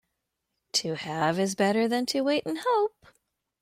To have is better than to wait and hope.